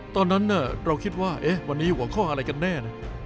ตอนนั้นเราคิดว่าวันนี้หัวข้ออะไรกันแน่นะ